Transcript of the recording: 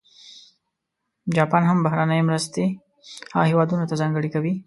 جاپان هم بهرنۍ مرستې هغه هېوادونه ته ځانګړې کوي.